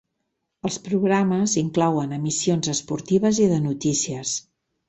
Els programes inclouen emissions esportives i de notícies.